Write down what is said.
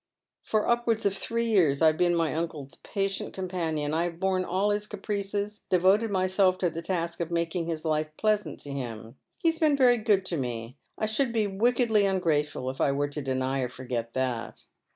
For upwards of three years I have been my uncle's patient companion. I have borne all his caprices, devoted myself to the task of making his life pleasant to him. He has been very good to me. I should oe wickedly ungrateful if I were to deny or to forget that.